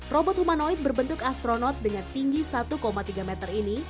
robot humanoid berbentuk astronot dengan tinggi satu tiga meter ini